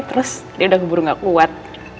terus dia udah geburu gak kuat